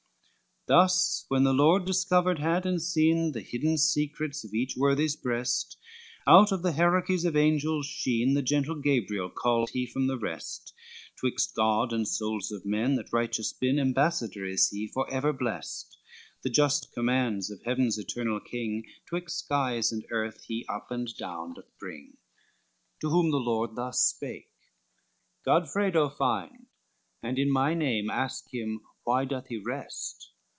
XI Thus when the Lord discovered had, and seen The hidden secrets of each worthy's breast, Out of the hierarchies of angels sheen The gentle Gabriel called he from the rest, 'Twixt God and souls of men that righteous been Ambassador is he, forever blest, The just commands of Heaven's Eternal King, 'Twixt skies and earth, he up and down doth bring. XII To whom the Lord thus spake: "Godfredo find, And in my name ask him, why doth he rest?